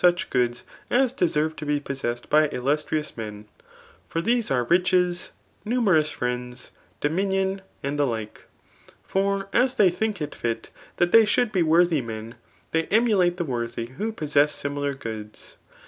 such goods a$ Reserve td be possessed .by ilIu&t]iow«»eit^ fof'^tbese^are 144 THB ART OF BOOK II. riches, numerous friends, dominion, and the like. For as they think it fit that they should 'be worthy men, they emulate the worthy who possess similar goods.